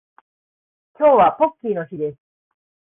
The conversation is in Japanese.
今日はポッキーの日です